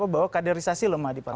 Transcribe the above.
bahwa kaderisasi lemah di partai